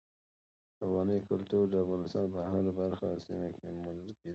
افغاني کلتور د افغانستان په هره برخه او سیمه کې موندل کېدی شي.